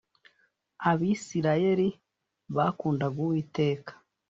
abisirayeli bakundaga uwiteka.